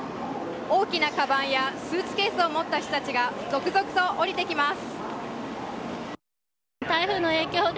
大きなかばんやスーツケースを持った人たちが続々と降りてきます。